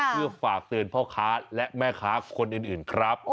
เพื่อฝากเตือนพ่อค้าและแม่ค้าคนอื่นครับ